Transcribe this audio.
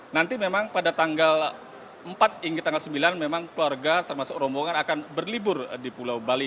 nanti memang pada tanggal empat hingga tanggal sembilan memang keluarga termasuk rombongan akan berlibur di pulau bali